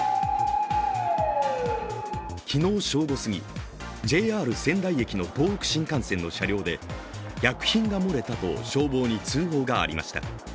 昨日正午過ぎ、ＪＲ仙台駅の東北新幹線の車内で薬品が漏れたと消防に通報がありました。